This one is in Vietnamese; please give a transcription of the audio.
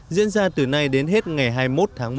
diễn ra từ nay đến hết ngày hai mươi một tháng một